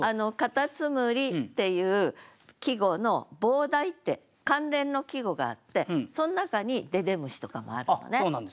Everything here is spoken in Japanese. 「蝸牛」っていう季語の傍題って関連の季語があってその中に「ででむし」とかもあるのね。